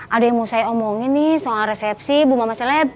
ada yang mau saya omongin nih soal resepsi bu mama seleb